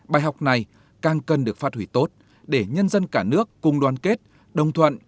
bài học này càng cần được phát huy tốt để nhân dân cả nước cùng đoàn kết đồng thuận